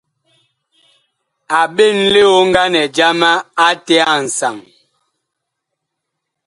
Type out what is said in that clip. A ɓen lioŋganɛ jama ate a nsaŋ.